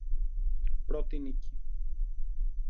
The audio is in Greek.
Πρώτη νίκη